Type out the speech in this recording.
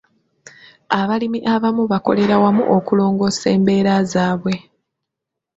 Abalimi abamu bakolera wamu okulongoosa embeera zaabwe.